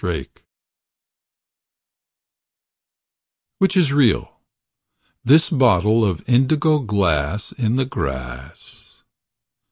pdf Which is real— This bottle of indigo glass in the grass.